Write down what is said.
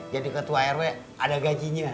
jadi ketua rw ada gajinya